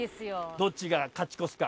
どっちが勝ち越すか